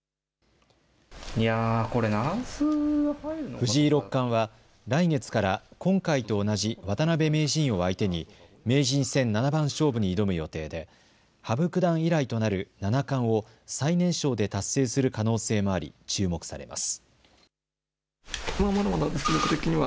藤井六冠は来月から今回と同じ渡辺名人を相手に名人戦七番勝負に挑む予定で羽生九段以来となる七冠を最年少で達成する可能性もあり注目されます。